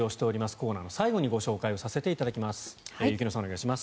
コーナーの最後にご紹介させていただきます。